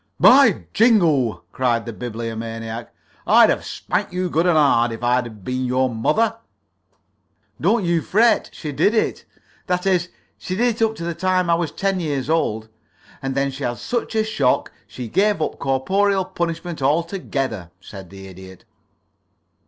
"By jingo!" cried the Bibliomaniac. "I'd have spanked you good and hard if I'd been your mother." "Don't you fret she did it; that is, she did up to the time I was ten years old, and then she had such a shock she gave up corporeal punishment altogether," said the Idiot.